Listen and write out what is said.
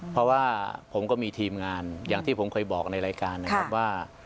เพราะว่าผมก็มีทีมงานอย่างที่ผมเคยบอกในรายการนะครับว่า